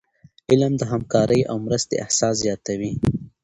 علم د همکاری او مرستي احساس زیاتوي.